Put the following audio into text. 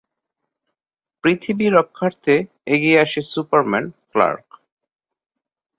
পৃথিবী রক্ষার্থে এগিয়ে আসে সুপারম্যান, ক্লার্ক।